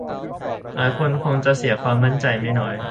หลายคนคงจะเสียความมั่นใจไม่น้อย